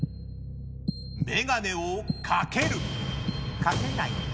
眼鏡をかける、かけない。